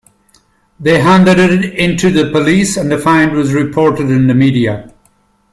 They handed it into the police and the find was reported in the media.